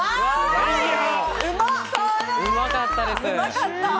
うまかったです。